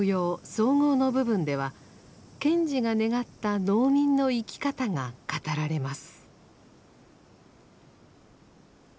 綜合の部分では賢治が願った農民の生き方が語られます。